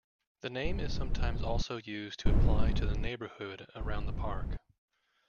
The name is sometimes also used to apply to the neighbourhood around the park.